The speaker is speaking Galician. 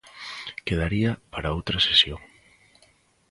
Quedaría para outra sesión.